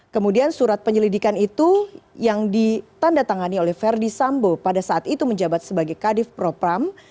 kemudian surat penyelidikan itu yang ditanda tangani oleh verdi sambo pada saat itu menjabat sebagai kadif propam